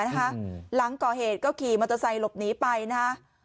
หลังก่อเหตุก็ขี่มอเตอร์ไซค์หลบหนีไปนะฮะ